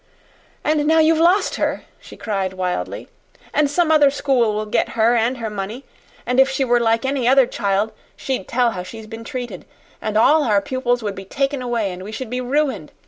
"And now you've lost her," she cried wildly; "and some other school will get her and her money; and if she were like any other child she'd tell how she's been treated, and all our pupils would be taken away and we should be ruined.